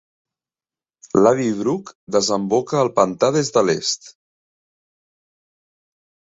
L'Abbey Brook desemboca al pantà des de l'est.